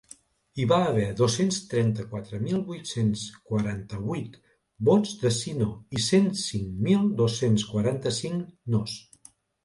Hi va haver dos-cents trenta-quatre mil vuit-cents quaranta-vuit vots de sí-no i cent cinc mil dos-cents quaranta-cinc nos.